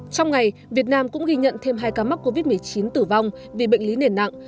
trong ngày việt nam cũng ghi nhận thêm hai ca mắc covid một mươi chín tử vong vì bệnh lý nền nặng